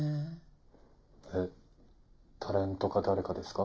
えっタレントか誰かですか？